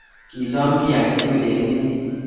kisom kiy age tugul eng' emet